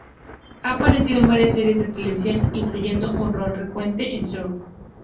Ha aparecido en varias series de televisión, incluyendo un rol recurrente en "Southland".